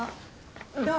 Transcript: どう？